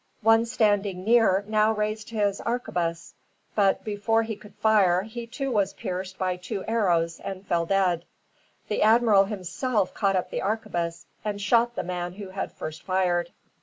One standing near now raised his arquebus; but before he could fire, he too was pierced by two arrows, and fell dead. The admiral himself caught up the arquebus, and shot the man who had first fired.